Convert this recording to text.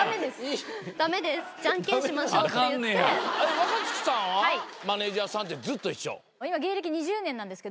若槻さんはマネジャーさんってずっと一緒？